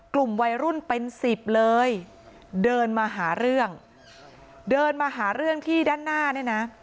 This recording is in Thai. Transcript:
กลุ่มวัยรุ่นเป็นสิบเลยเดินมาหาเรื่องเดินมาหาเรื่องที่ด้านหน้าเนี่ยนะ